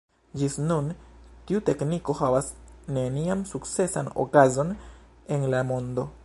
Ĝis nun tiu tekniko havas nenian sukcesan okazon en la mondo.